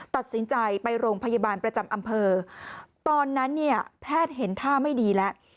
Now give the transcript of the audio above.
ตัดสินใจไปโรงพยาบาลประจำอำเภอตอนนั้นเนี่ยแพทย์เห็นท่าไม่ดีแล้ว